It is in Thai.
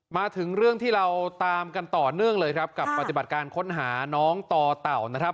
มาถึงเรื่องที่เราตามกันต่อเนื่องเลยครับกับปฏิบัติการค้นหาน้องต่อเต่านะครับ